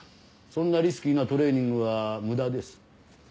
そんなリスキーなトレーニングは無駄です。